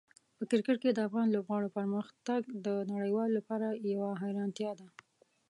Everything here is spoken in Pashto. په کرکټ کې د افغان لوبغاړو پرمختګ د نړیوالو لپاره یوه حیرانتیا ده.